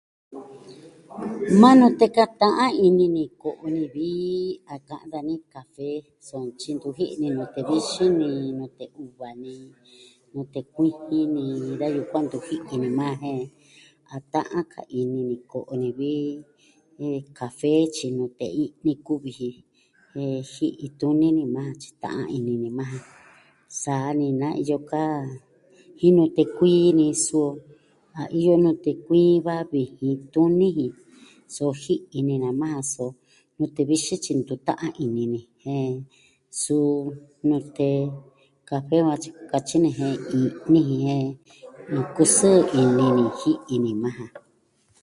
Ma nute kata a ini ni ko'o ni vi a ka'an dani kafe so tyi ntu ji'i ni nute vixin ni, nute uva ni, nute kuijin ni, da yukuan ntu ji'i ni majan jen a ta'an ka ini ni ko'o ni vi kafe tyi nute i'ni kuvi ji. Jen ji'i tuni ni majan tyi ta'an ini ni majan, saa ni naa iyo ka, jin nute kuii ni suu o a iyo nute kuii va vijin tuni jin, so ji'i ni na majan so nute vixin tyi ntu ta'an ini ni jen suu nute kafe matyi... katyi ni jen i'ni jin jen nkusɨɨ ini ni ji'i ni majan.